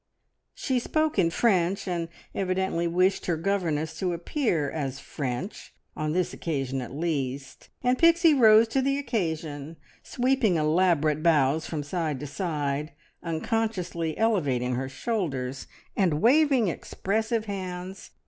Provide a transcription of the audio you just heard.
She spoke in French, and evidently wished her governess to appear as French on this occasion at least; and Pixie rose to the occasion, sweeping elaborate bows from side to side, unconsciously elevating her shoulders, and waving expressive hands.